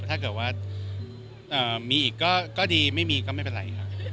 และถ้าเกิดว่ามีก็ดีไม่มีก็ไม่เป็นไร